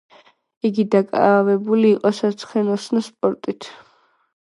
იგი დაკავებული იყო საცხენოსნო სპორტით.